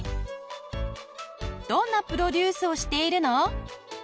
どんなプロデュースをしているの？